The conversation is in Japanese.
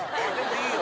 いいよ！